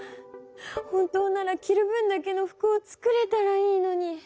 本当なら着る分だけの服を作れたらいいのに。